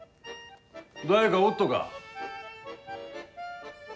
誰がおっとか？